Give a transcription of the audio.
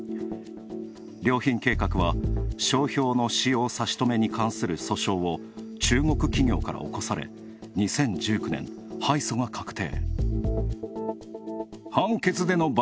良品計画は商標の使用差し止めに関する訴訟を中国企業から起こされ２０１９年、敗訴が確定。